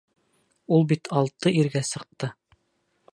Ул бит алты иргә сыҡты!